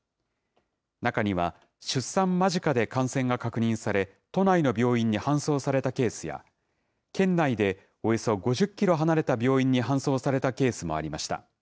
中には出産間近で感染が確認され、都内の病院に搬送されたケースや、県内でおよそ５０キロ離れた病院に搬送されたケースもありました。